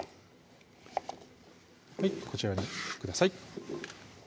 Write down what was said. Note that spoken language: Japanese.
こちらにください